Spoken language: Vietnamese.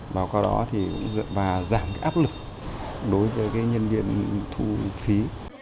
và giảm áp lực đối với nhân viên thu phí